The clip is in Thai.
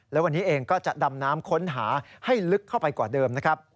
และวันนี้เองก็จะดำน้ำค้นหาให้ลึกเข้าไปกว่าเดิมนะครับ